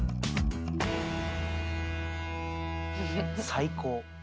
最高。